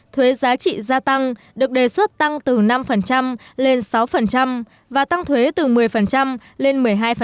thuế giá trị gia tăng được đề xuất tăng từ năm lên sáu và tăng thuế từ một mươi lên một mươi hai